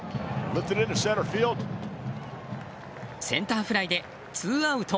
センターフライでツーアウト。